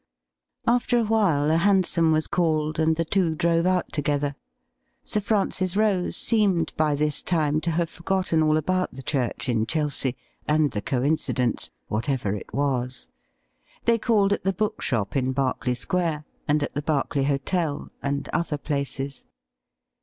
After a while a hansom was called, and the two drove out together. Sir Francis Rose seemed by this time to have forgotten all about the church in Chelsea, and the coincidence, whatever it was. They called at the bookshop in Berkeley Square, and at the Berkeley Hotel, and other places.